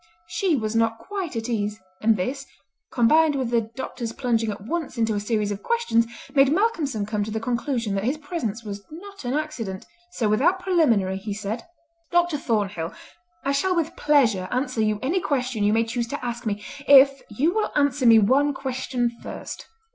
She was not quite at ease, and this, combined with the doctor's plunging at once into a series of questions, made Malcolmson come to the conclusion that his presence was not an accident, so without preliminary he said: "Dr. Thornhill, I shall with pleasure answer you any question you may choose to ask me if you will answer me one question first."